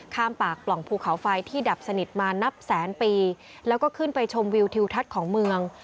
ปากปล่องภูเขาไฟที่ดับสนิทมานับแสนปีแล้วก็ขึ้นไปชมวิวทิวทัศน์ของเมือง